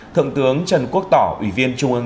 thượng tướng trần quốc tỏ ủy viên trung ương